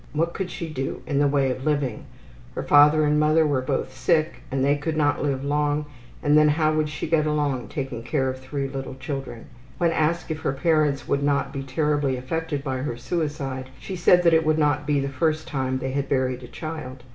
What could she do in the way of living? Her father and mother were both sick and they could not live long and then how could she get along taking care of three little children? When asked if her parents would not be terribly affected by her suicide she said that it would not be the first time they had buried a child.